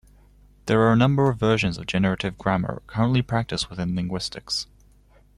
There are a number of versions of generative grammar currently practiced within linguistics.